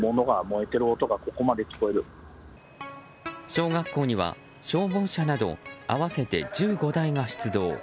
小学校には、消防車など合わせて１５台が出動。